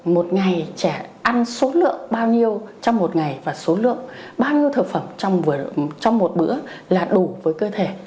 một ngày trẻ ăn số lượng bao nhiêu trong một ngày và số lượng bao nhiêu thực phẩm trong một bữa là đủ với cơ thể